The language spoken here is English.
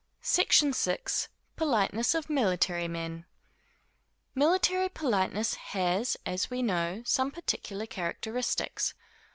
SECTION VI. Politeness of Military Men. Military politeness has, as we know, some particular characteristics.